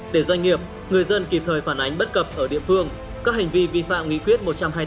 để doanh nghiệp người dân kịp thời phản ánh bất cập ở địa phương các hành vi vi phạm nghị quyết một trăm hai mươi